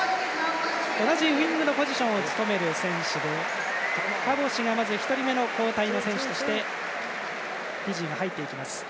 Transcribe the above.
同じウイングのポジションを務める選手でハボシが１人目の交代の選手としてフィジー、入っていきます。